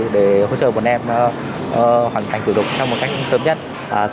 để hỗ trợ bọn em hoàn thành chủ đục trong một cách sớm nhất